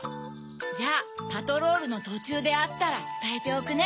じゃあパトロールのとちゅうであったらつたえておくね。